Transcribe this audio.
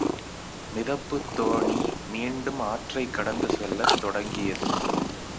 மிதப்புத் தோணி மீண்டும் ஆற்றைக் கடந்து செல்லத் தொடங்கியது.